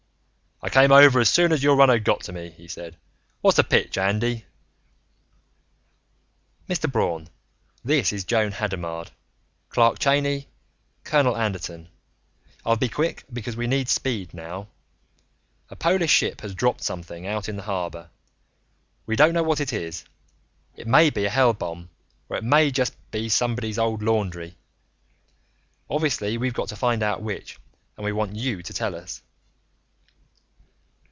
"I come over as soon as your runner got to me," he said. "What's the pitch, Andy?" "Mr. Braun, this is Joan Hadamard, Clark Cheyney, Colonel Anderton. I'll be quick because we need speed now. A Polish ship has dropped something out in the harbor. We don't know what it is. It may be a hell bomb, or it may be just somebody's old laundry. Obviously we've got to find out which and we want you to tell us."